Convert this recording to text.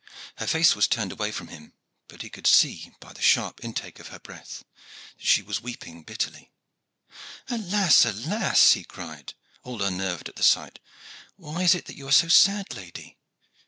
Her face was turned away from him, but he could see, by the sharp intake of her breath, that she was weeping bitterly. "Alas! alas!" he cried, all unnerved at the sight, "why is it that you are so sad, lady?"